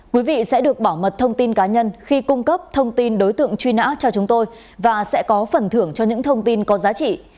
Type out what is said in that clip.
quý vị sẽ được bảo mật thông tin cá nhân khi cung cấp thông tin đối tượng truy nã cho chúng tôi và sẽ có phần thưởng cho những thông tin có giá trị